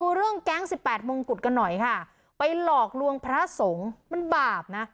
เรื่องแก๊งสิบแปดมงกุฎกันหน่อยค่ะไปหลอกลวงพระสงฆ์มันบาปนะ